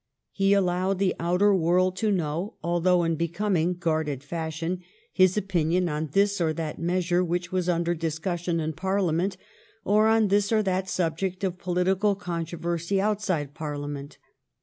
He allowed the outer world to know, although in becoming guarded fashion, his opinion on this or that measure which was under discussion in Parliament, or on this or that subject of political controversy outside Parliament.